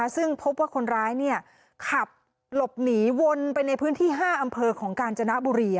ซึ่งพบว่าคนร้ายขับหลบหนีวนไปในพื้นที่๕อำเภอของกาญจนบุรี